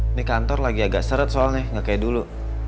ini kantor lagi agak seret soalnya nggak kayak dulu